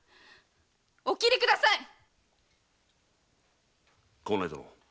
お斬りください‼幸内殿。